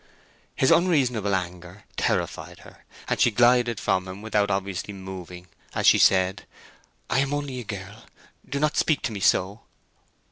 His unreasonable anger terrified her, and she glided from him, without obviously moving, as she said, "I am only a girl—do not speak to me so!"